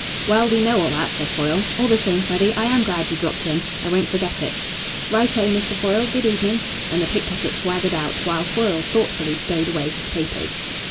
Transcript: "Well, we know all that," said Foyle. "All the same, Freddy, I am glad you dropped in: I won't forget it." "Right oh, Mr. Foyle. Good evening." And the pick pocket swaggered out, while Foyle thoughtfully stowed away his papers.